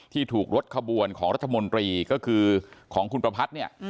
ถูกรถขบวนของรัฐมนตรีก็คือของคุณประพัทธ์เนี่ย